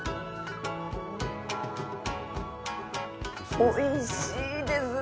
おいしいですね！